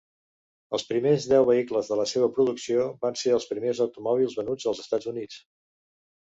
Els primers deu vehicles de la seva producció van ser els primers automòbils venuts als Estats Units.